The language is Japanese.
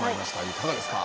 いかがですか。